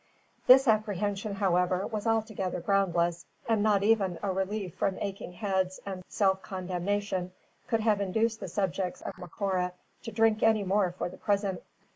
This apprehension, however, was altogether groundless, and not even a relief from aching heads and self condemnation could have induced the subjects of Macora to drink any more for the present.